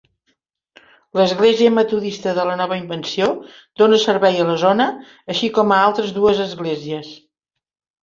L'Església Metodista de la Nova Invenció dona servei a la zona, així com a altres dues esglésies.